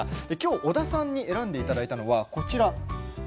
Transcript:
織田さんに選んでいただいたのはこちらです。